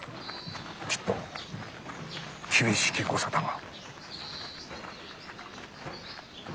きっと厳しき御沙汰が。